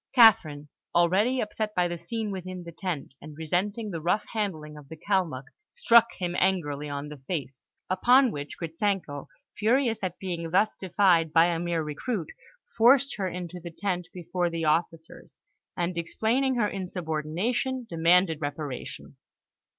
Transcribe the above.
Catherine, already upset by the scene within the tent, and resenting the rough handling of the Kalmuk, struck him angrily on the face, upon which Gritzenko, furious at being thus defied by a mere recruit, forced her into the tent before the officers, and, explaining her insubordination, demanded reparation.